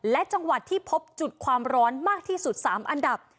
และจังหวัดที่พบจุดความร้อนมากที่สุด๓อันดับ